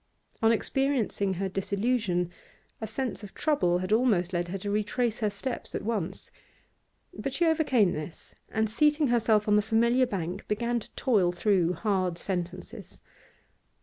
On experiencing her disillusion a sense of trouble had almost led her to retrace her steps at once, but she overcame this, and, seating herself on the familiar bank, began to toil through hard sentences.